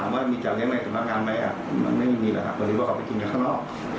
ไม่มีแหละค่ะพอดีว่าเขาไปจิงอย่างข้างนอก